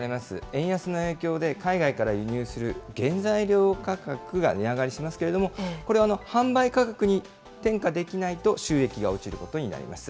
円安の影響で、海外から輸入する原材料価格が値上がりしますけれども、これは、販売価格に転嫁できないと、収益が落ちることになります。